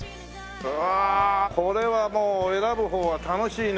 うわこれはもう選ぶ方は楽しいね。